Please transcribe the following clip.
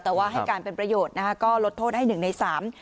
แต่ว่าให้การเป็นประโยชน์นะคะก็ลดโทษให้หนึ่งในสาม